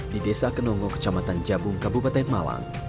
di desa kenongo kecamatan jabung kabupaten malang